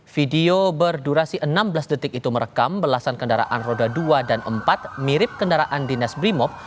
video berdurasi enam belas detik itu merekam belasan kendaraan roda dua dan empat mirip kendaraan dinas brimob